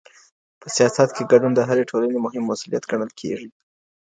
په سياست کي ګډون د هري ټولني مهم مسؤليت ګڼل کېږي.